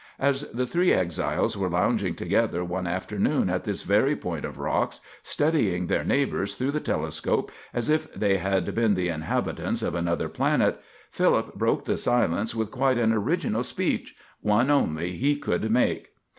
As the three exiles were lounging together one afternoon at this very point of rocks, studying their neighbors through the telescope as if they had been the inhabitants of another planet, Philip broke the silence with quite an original speech one only he could make.